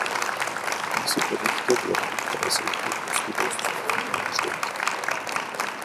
Diese Berichte werden Interessenten kostenlos zur Verfügung gestellt.